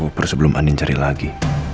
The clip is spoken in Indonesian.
lalu aku harus sebelum andin cari lagi